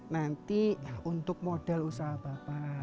nanti untuk modal usaha bapak